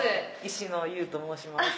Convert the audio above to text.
石野結と申します。